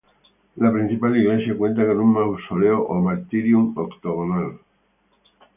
La principal iglesia cuenta con un mausoleo o "martyrium" octogonal.